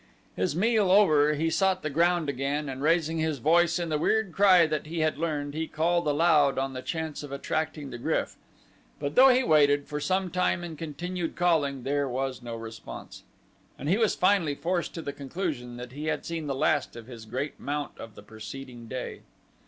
His meal over he sought the ground again and raising his voice in the weird cry that he had learned, he called aloud on the chance of attracting the GRYF, but though he waited for some time and continued calling there was no response, and he was finally forced to the conclusion that he had seen the last of his great mount of the preceding day.